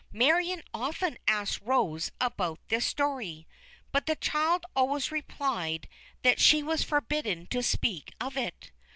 Marion often asked Rose about this story, but the child always replied that she was forbidden to speak of it.